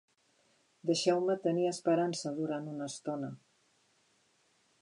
Deixeu-me tenir esperança durant una estona!